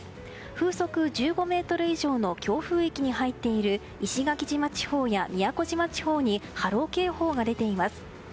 風速１５メートル以上の強風域に入っている石垣島地方や宮古島地方に波浪警報が出ています。